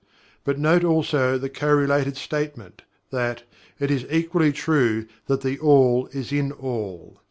But note also the co related statement, that: "It is equally true that THE ALL is in ALL."